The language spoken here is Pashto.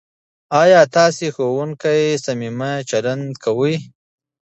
ایا ستا ښوونکی صمیمي چلند کوي؟